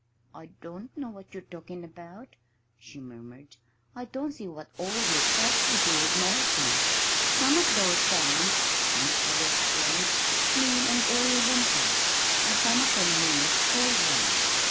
"I don't know what you're talking about," she murmured. "I don't see what all this has to do with molting." "Some of those signs," Aunt Polly explained, "mean an early winter; and some of 'em mean a cold one.